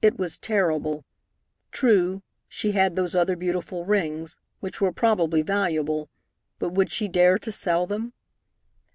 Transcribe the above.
It was terrible. True, she had those other beautiful rings, which were probably valuable, but would she dare to sell them?